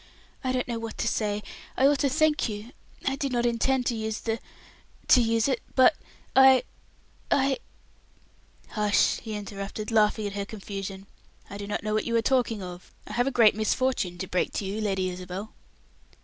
"I don't know what to say; I ought to thank you. I did not intend to use the to use it; but I I " "Hush!" he interrupted, laughing at her confusion. "I do not know what you are talking of. I have a great misfortune to break to you, Lady Isabel."